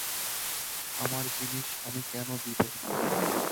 আমার জিনিস আমি কেন দিব।